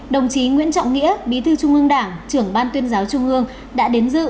đồng chí nguyễn trọng nghĩa bí thư trung ương đảng trưởng ban tuyên giáo trung ương đã đến dự